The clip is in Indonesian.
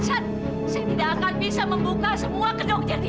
saya tidak akan bisa membuka semua gedung jadi